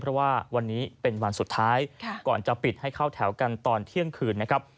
เพราะว่าวันนี้เป็นวันสุดท้ายก่อนจะปิดให้เข้าแถวกันตอนเที่ยงคืนนะครับ